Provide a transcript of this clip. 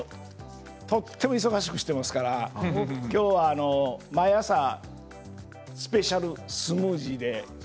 とっても忙しくしてますから今日は毎朝スペシャルスムージーで。